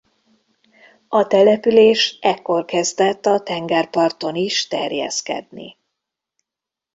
A település ekkor kezdett a tengerparton is terjeszkedni.